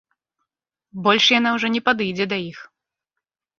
Больш яна ўжо не падыдзе да іх!